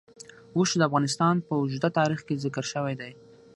اوښ د افغانستان په اوږده تاریخ کې ذکر شوی دی.